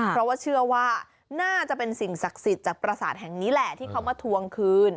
เพราะว่าเชื่อว่าน่าจะเป็นสิ่งศักดิ์สิทธิ์จากประสาทแห่งนี้แหละที่เขามาทวงคืน